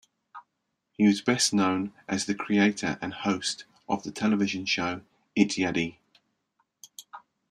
He is best known as the creator and host of the television show "Ittyadi".